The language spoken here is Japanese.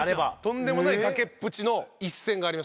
とんでもないがけっぷちの一戦がありまして。